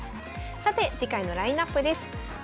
さて次回のラインナップです。